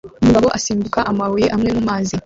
Umugabo asimbuka amabuye amwe mumazi